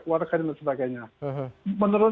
warga dan sebagainya menurut